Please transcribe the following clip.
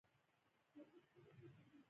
یون صاحب څخه جلا شولو.